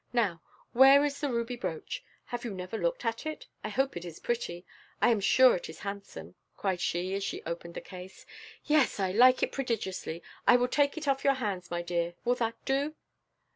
Now, where is the ruby brooch? Have you never looked at it? I hope it is pretty I am sure it is handsome," cried she as she opened the case. "Yes; I like it prodigiously, I will take it off your hands, my dear; will that do?"